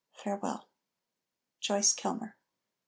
Farewell!" JOYCE KILMER.